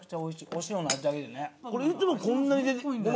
お塩の味だけでね。